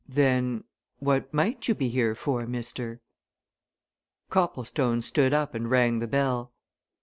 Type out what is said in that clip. "Then what might you be here for, mister?" Copplestone stood up and rang the bell.